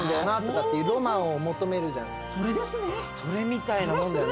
それみたいなもんだよね。